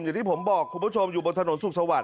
อย่างที่ผมบอกคุณผู้ชมอยู่บนถนนสุขสวรร